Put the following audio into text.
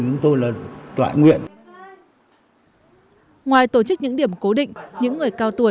ông tạ văn bắc thuộc diện người có công với